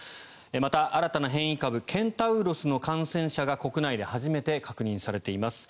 また新たな変異株ケンタウロスの感染者が国内で初めて確認されています。